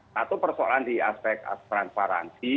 satu persoalan di aspek transparansi